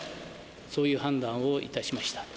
そういう判断をいたしました。